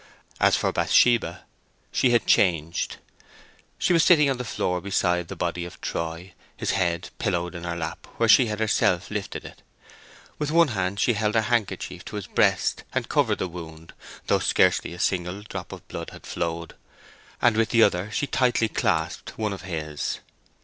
As for Bathsheba, she had changed. She was sitting on the floor beside the body of Troy, his head pillowed in her lap, where she had herself lifted it. With one hand she held her handkerchief to his breast and covered the wound, though scarcely a single drop of blood had flowed, and with the other she tightly clasped one of his.